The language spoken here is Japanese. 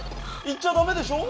行っちゃダメでしょ！